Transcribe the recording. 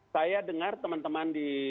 saya dengar teman teman di